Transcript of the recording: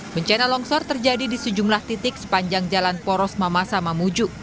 bencana longsor terjadi di sejumlah titik sepanjang jalan poros mamasa mamuju